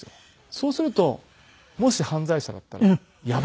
そうするともし犯罪者だったらやばい！と思います。